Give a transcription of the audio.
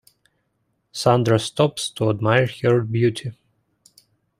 Sandro stops to admire her beauty.